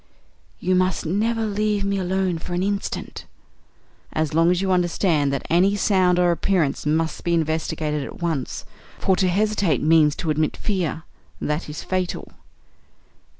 "You must never leave me alone for an instant." "As long as you understand that any sound or appearance must be investigated at once, for to hesitate means to admit fear. That is fatal."